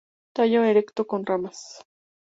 Tallo erecto con ramas.